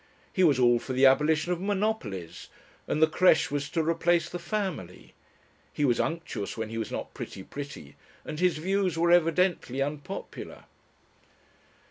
He was all for the abolition of "monopolies," and the créche was to replace the family. He was unctuous when he was not pretty pretty, and his views were evidently unpopular.